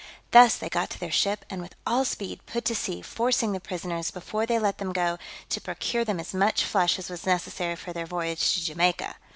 Thus they got to their ship, and with all speed put to sea, forcing the prisoners, before they let them go, to procure them as much flesh as was necessary for their voyage to Jamaica.